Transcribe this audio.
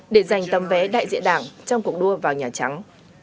để giành tấm vé đại diện đảng trong cuộc đua vào nhà trắng